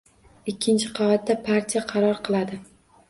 Ikkinchi qavatda partiya qaror qiladi.